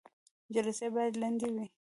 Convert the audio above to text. جلسې باید لنډې وي